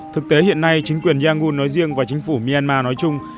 thực tế hiện nay chính quyền yagu nói riêng và chính phủ myanmar nói chung